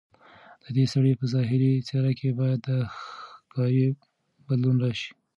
ددې سړي په ظاهري څېره کې باید د ښکاري بدلون راشي.